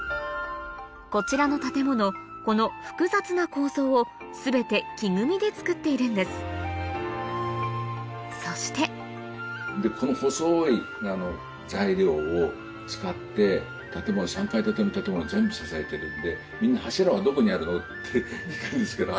こちらの建物この複雑な構造を全て木組みで造っているんですそしてこの細い材料を使って３階建ての建物を全部支えてるんでみんな「柱はどこにあるの？」って聞くんですけど。